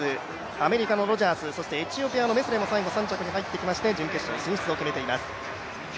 アメリカのロジャース、そしてエチオピアのメセレも最後３着に入ってきまして、準決勝進出を決めています。